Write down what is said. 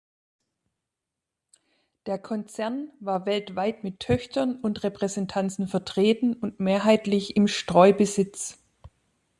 Der Konzern war weltweit mit Töchtern und Repräsentanzen vertreten und mehrheitlich im Streubesitz.